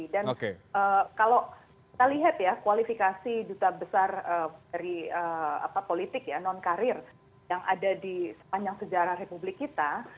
dan kalau kita lihat ya kualifikasi duta besar dari politik non karir yang ada di sepanjang sejarah republik kita